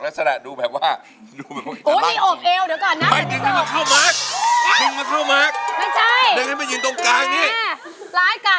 แล้วแสดดูแบบว่า